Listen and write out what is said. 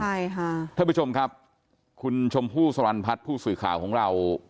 ใช่ค่ะท่านผู้ชมครับคุณชมพู่สรรพัฒน์ผู้สื่อข่าวของเรา